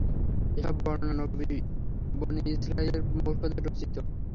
এর সব বর্ণনা বনী ইসরাঈলের মূর্খদের রচিত।